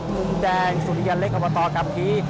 มุมแดงสุดยอดเล็กอมประตอกับกี